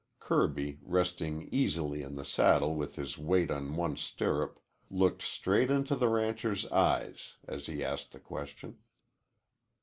Kirby, resting easy in the saddle with his weight on one stirrup, looked straight into the rancher's eyes as he asked the question.